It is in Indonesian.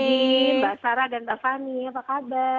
selamat pagi mbak sarah dan mbak fani apa kabar